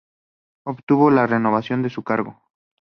Obtuvo la renovación de su cargo.